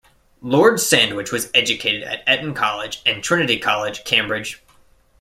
Lord Sandwich was educated at Eton College and Trinity College, Cambridge.